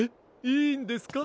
いいんですか？